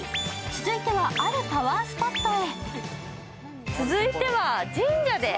続いては、あるパワースポットへ。